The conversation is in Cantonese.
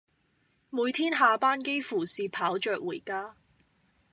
每天下班幾乎是跑著回家